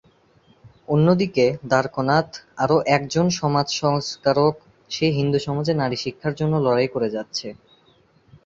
অন্যদিকে, দ্বারকানাথ, আরো একজন সমাজ সংস্কারক, সে হিন্দু সমাজে নারী শিক্ষার জন্য লড়াই করে যাচ্ছে।